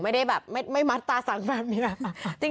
ไม่มัดตาสังแบบนี้